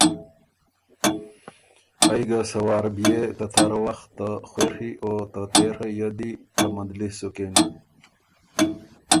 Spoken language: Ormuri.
ائ ګه سۀ وار بيې ته تر وخت ته خوېڒی او ته تېڒه یدی په مندلس سُکن۔